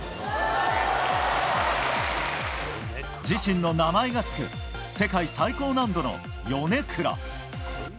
自身の名前がつく世界最高難度のヨネクラ。